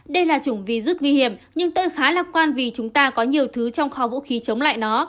đây là chủng virus nguy hiểm nhưng tôi khá lạc quan vì chúng ta có nhiều thứ trong kho vũ khí chống lại nó